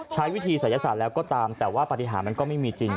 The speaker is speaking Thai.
ใช้วิธีศัยศาสตร์แล้วก็ตามแต่ว่าปฏิหารมันก็ไม่มีจริง